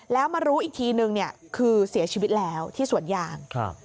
แล้วมารู้อีกทีนึงคือเสียชีวิตแล้วที่สวนยาง